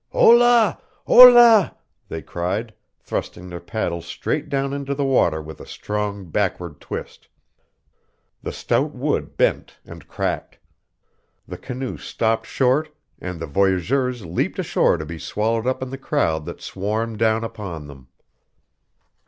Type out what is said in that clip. "Holá! holá!" they cried, thrusting their paddles straight down into the water with a strong backward twist. The stout wood bent and cracked. The canoe stopped short and the voyageurs leaped ashore to be swallowed up in the crowd that swarmed down upon them.